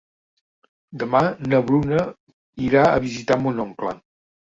Demà na Bruna irà a visitar mon oncle.